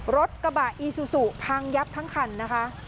รถกระบะอีซูซูพังยับทั้งคันนะคะ